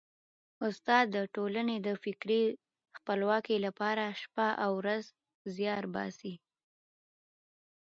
استاد د ټولني د فکري خپلواکۍ لپاره شپه او ورځ زیار باسي.